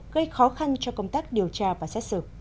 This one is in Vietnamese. gây khó khăn cho công tác điều tra và xét xử